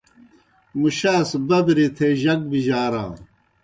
مُشاس ببرِی تھے جک بِجارانوْ۔